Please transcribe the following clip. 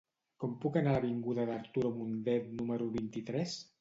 Com puc anar a l'avinguda d'Arturo Mundet número vint-i-tres?